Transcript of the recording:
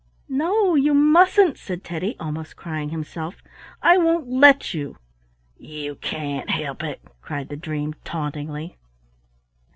"No, you mustn't," said Teddy, almost crying himself. "I won't let you." "You can't help it," cried the dream, tauntingly.